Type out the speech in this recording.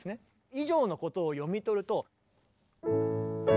以上のことを読み取ると。